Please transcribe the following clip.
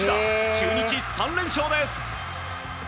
中日、３連勝です！